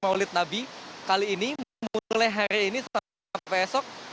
yang keluar masuk di rest area kmn kali ini mulai hari ini sampai besok